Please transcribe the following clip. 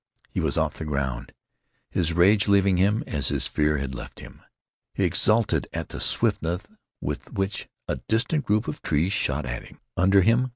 He was off the ground, his rage leaving him as his fear had left him. He exulted at the swiftness with which a distant group of trees shot at him, under him.